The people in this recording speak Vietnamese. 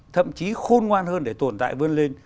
thậm chí khôn ngoan hơn để tồn tại vươn lên